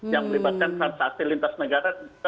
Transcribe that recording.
yang melibatkan transaksi lintas negara